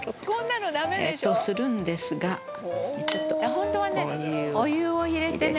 「ホントはねお湯を入れてね